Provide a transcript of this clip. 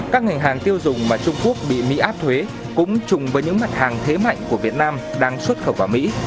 các ngành hàng tiêu dùng mà trung quốc bị mỹ áp thuế cũng chùng với những mặt hàng thế mạnh của việt nam đang xuất khẩu vào mỹ